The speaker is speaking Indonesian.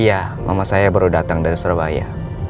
iya mama saya baru datang dari surabaya